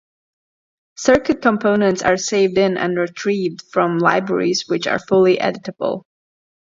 Circuit components are saved in and retrieved from libraries which are fully editable.